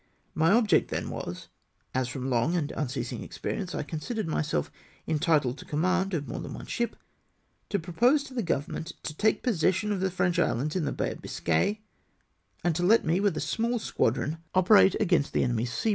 My object then was — as fi om long and unceasing experience I considered myself en titled to the command of more than one ship — to propose to the Government to take possession of the French islands in the Bay of Biscay, and to let me wdth a small squadron operate agamst the enemy's sea APATHY OF THE GOVERXMENT.